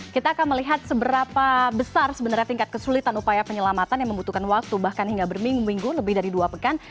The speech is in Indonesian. kita akan melihat seberapa besar sebenarnya tingkat kesulitan upaya penyelamatan yang membutuhkan waktu bahkan hingga berminggu minggu lebih dari dua pekan